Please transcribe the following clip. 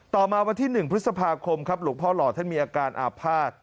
มาวันที่๑พฤษภาคมครับหลวงพ่อหล่อท่านมีอาการอาภาษณ์